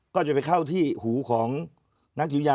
ก็จะไปเข้าที่หูของนักจิตวิญญา